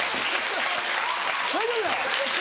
大丈夫や。